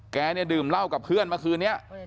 แกเนี่ยดื่มเหล้ากับเพื่อนเมื่อคืนนี้